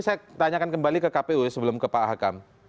saya tanyakan kembali ke kpu sebelum ke pak hakam